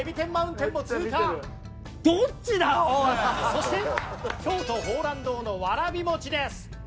そして京都峯嵐堂のわらびもちです。